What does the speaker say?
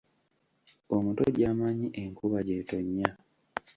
Omuto gy'amanyi enkuba gy'etonnya.